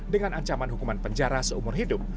dengan ancaman hukuman penjara seumur hidup